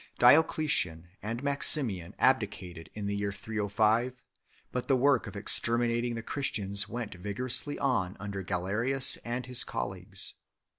Diocletian and Maximian abdicated in the year 305, but the work of exterminating the Christians went vigorously on under Galerius and his colleagues.